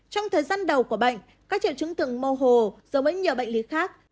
trong thời gian đầu của bệnh các triệu chứng thường mô hồ giống với nhiều bệnh lý khác